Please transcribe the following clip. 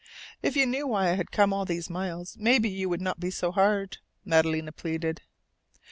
"If you knew why I have come all these miles, maybe you would not be so hard," Madalena pleaded.